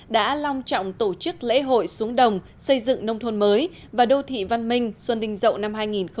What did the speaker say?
đã long trọng tổ chức lễ hội xuống đồng xây dựng nông thôn mới và đô thị văn minh xuân đình dậu năm hai nghìn một mươi bảy